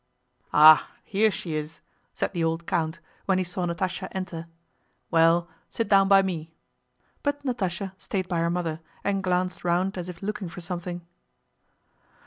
"Ah, here she is!" said the old count, when he saw Natásha enter. "Well, sit down by me." But Natásha stayed by her mother and glanced round as if looking for something.